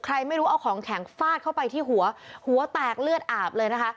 ไม่รู้เอาของแข็งฟาดเข้าไปที่หัวหัวแตกเลือดอาบเลยนะคะ